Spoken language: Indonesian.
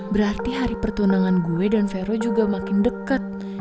berarti hari pertunangan gue dan fero juga makin deket